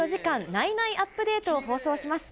ナイナイアップデートを放送します。